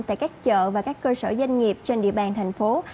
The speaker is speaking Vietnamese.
tại các chợ và các cơ sở doanh nghiệp trên địa bàn thành phố